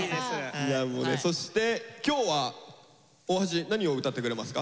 そして今日は大橋何を歌ってくれますか？